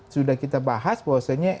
sudah kita bahas bahwasannya